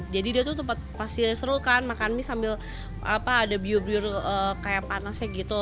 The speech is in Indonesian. jadi dia tuh pasti seru kan makan mie sambil ada biur biur kayak panasnya gitu